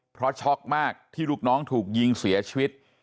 เพราะช็อกมากที่ลูกน้องถูกยิงเสียชีวิต